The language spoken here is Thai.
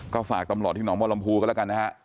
ก็ฝากตำรวจที่หนองบัวลำพูก็แล้วกันนะฮะ